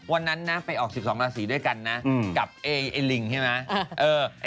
วันนั้นนะไปออก๑๒ราศีด้วยกันนะกับไอ้ลิงใช่ไหม